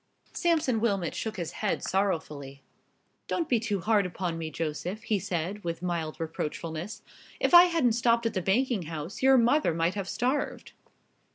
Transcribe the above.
Sampson Wilmot shook his head sorrowfully. "Don't be too hard upon me, Joseph," he said, with mild reproachfulness; "if I hadn't stopped at the banking house your mother might have starved!"